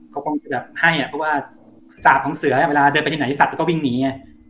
เขาก็คงจะให้เพราะว่าสาปของเสือเวลาเดินไปที่ไหนที่สัดก็วิ่งหนี